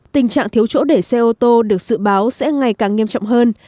tình trạng thiếu chỗ để xe ô tô được dự báo sẽ ngày càng nghiêm trọng hơn